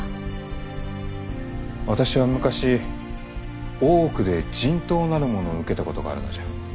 私は昔大奥で人痘なるものを受けたことがあるのじゃ。